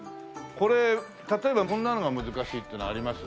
これ例えばこんなのが難しいっていうのはあります？